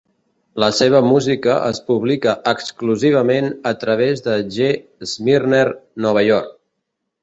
La seva música es publica exclusivament a través de G. Schirmer, Nova York.